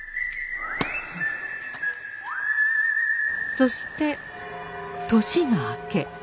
そして年が明け。